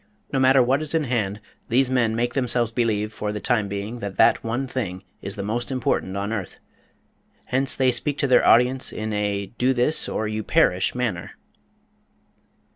No matter what is in hand, these men make themselves believe for the time being that that one thing is the most important on earth. Hence they speak to their audiences in a Do this or you PERISH manner.